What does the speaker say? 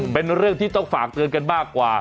เป็นเรื่องที่ต้องฝากเตือนกันมากกว่า